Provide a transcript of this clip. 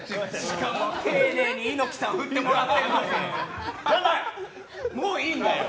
しかも丁寧に猪木さん振ってもらってるのに！